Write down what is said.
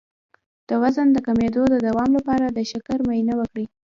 د وزن د کمیدو د دوام لپاره د شکر معاینه وکړئ